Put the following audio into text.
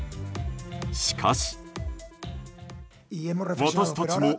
しかし。